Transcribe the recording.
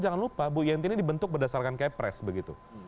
jangan lupa bu yanti ini dibentuk berdasarkan kayak pres begitu